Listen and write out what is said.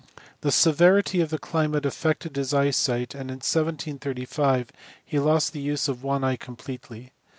The severity of the climate affected his eyesight, and in 1735 he lost the use of one eye completely.